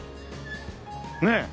ねえ。